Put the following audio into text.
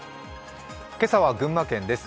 今朝は群馬県です